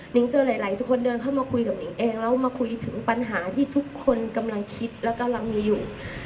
ิ้งเจอหลายคนเดินเข้ามาคุยกับนิงเองแล้วมาคุยถึงปัญหาที่ทุกคนกำลังคิดและกำลังมีอยู่